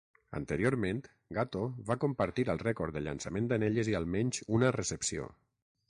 Anteriorment, Gatto va compartir el rècord de llançament d'anelles i almenys una recepció.